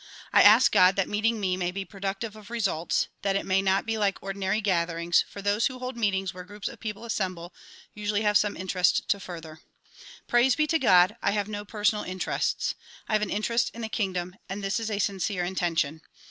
I ask God that meeting me may be productive of results ; that it may not be like ordinary gatherings, for those who hold meetings where groups of people assemble, usually have some interest to further. Praise be to God! I have no personal inter ests. I have an interest in the kingdom and this is a sincere inten tion.